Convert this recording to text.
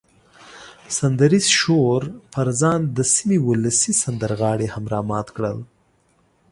سندریز شور پر ځان د سیمې ولسي سندرغاړي هم را مات کړه.